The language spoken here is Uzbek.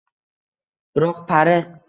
Biroq pari